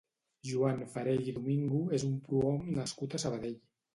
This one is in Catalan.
Joan Farell i Domingo és un prohom nascut a Sabadell.